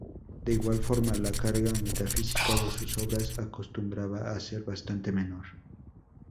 De igual forma, la carga metafísica de sus obras acostumbraba a ser bastante menor.